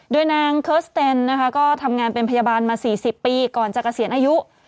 โดยนางเคิร์สเตนนะคะก็ทำงานเป็นพยาบาลมา๔๐ปีก่อนจะเกษียณอายุ